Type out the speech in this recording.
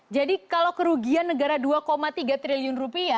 jadi kalau kerugian negara dua dpr ri